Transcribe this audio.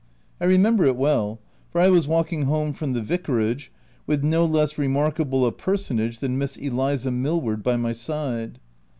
I remember it well, for I was walking home from the vicarage, with no less remarkable a personage than Miss Eliza Mill ward by my side.